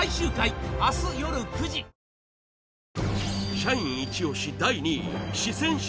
社員イチ押し第２位四川式